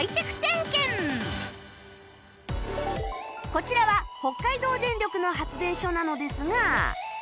こちらは北海道電力の発電所なのですが